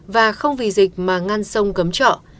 và không vì dịch mà ngăn sông cấm trợ